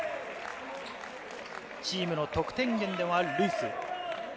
チームの得点源でもあるルイス。